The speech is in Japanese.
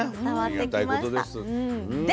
ありがたいことです。